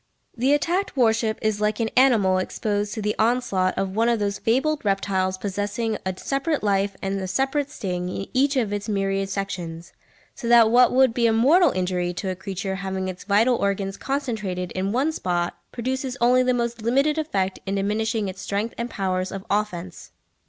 The attacked warship is like an animal exposed to the onslaught of one of those fabled reptiles possessing a separate life and a separate sting in each of its myriad sections; so that what would be a mortal injury to a creature having its vital organs concentrated in one spot produces only the most limited effect in diminishing its strength and powers of offence.